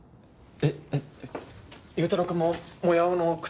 えっ？